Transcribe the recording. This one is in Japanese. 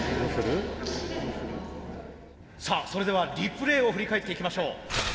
さあそれではリプレーを振り返っていきましょう。